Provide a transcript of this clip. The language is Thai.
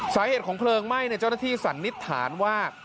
สาเหตุของเพลิงไหม้เจ้าหน้าที่สันนิษฐานว่า